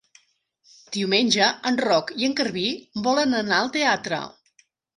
Diumenge en Roc i en Garbí volen anar al teatre.